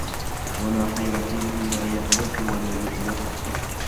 وَلَا خَيْرَ فِيمَنْ لَا يَأْلَفُ وَلَا يُؤْلَفُ